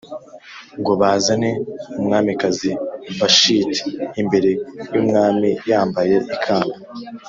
ngo bazane Umwamikazi Vashiti imbere y’umwami yambaye ikamba